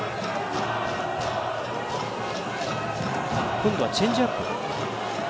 今度はチェンジアップ。